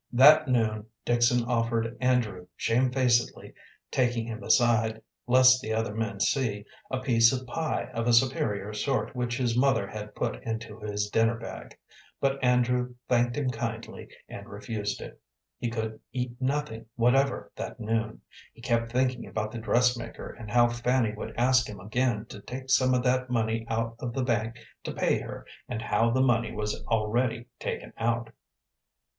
That noon Dixon offered Andrew, shamefacedly, taking him aside lest the other men see, a piece of pie of a superior sort which his mother had put into his dinner bag, but Andrew thanked him kindly and refused it. He could eat nothing whatever that noon. He kept thinking about the dressmaker, and how Fanny would ask him again to take some of that money out of the bank to pay her, and how the money was already taken out.